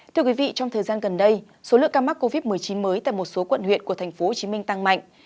thưa quý vị trong thời gian gần đây số lượng ca mắc covid một mươi chín mới tại một số quận huyện của tp hcm tăng mạnh